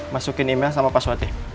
masukin email sama password ya